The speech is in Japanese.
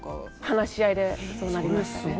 話し合いでそうなりましたね。